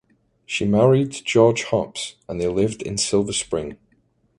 She married George Hopps and they lived in Silver Spring.